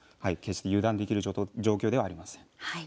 油断できる状況ではありません。